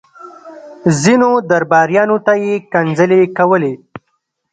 ځينو درباريانو ته يې کنځلې کولې.